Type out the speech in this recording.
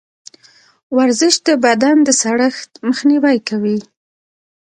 ورزش د بدن د سړښت مخنیوی کوي.